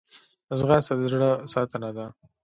ځغاسته د زړه ساتنه ده